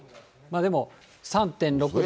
でも３．６度。